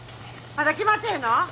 まだ決まってへんの？